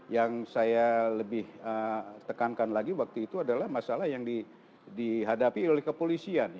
yang saya lebih tekankan lagi waktu itu adalah masalah yang dihadapi oleh kepolisian